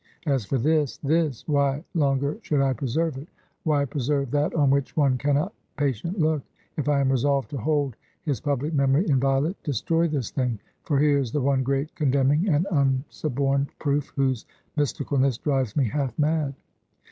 As for this this! why longer should I preserve it? Why preserve that on which one can not patient look? If I am resolved to hold his public memory inviolate, destroy this thing; for here is the one great, condemning, and unsuborned proof, whose mysticalness drives me half mad.